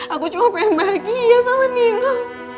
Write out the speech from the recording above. aku cuma pengen bahagia sama nino